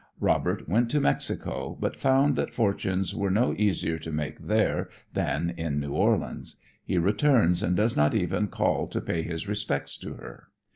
"Robert" went to Mexico but found that fortunes were no easier to make there than in New Orleans. He returns and does not even call to pay his respects to her.